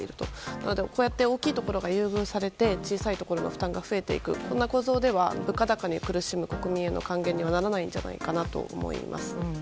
なのでこうやって大きいところが優遇されて小さいところの負担が増えていくという構造では物価高に苦しむ国民への還元にはならないと思います。